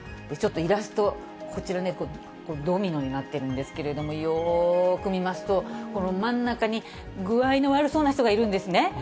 ちょっとイラスト、こちらね、ドミノになってるんですけれども、よーく見ますと、この真ん中に具合の悪そうな人がいるんですね。